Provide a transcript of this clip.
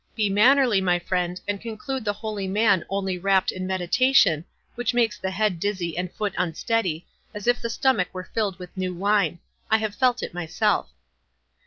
Be mannerly, my friend, and conclude the holy man only wrapt in meditation, which makes the head dizzy and foot unsteady, as if the stomach were filled with new wine—I have felt it myself."